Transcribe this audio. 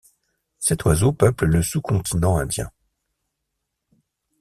Cet oiseau peuple le sous-continent indien.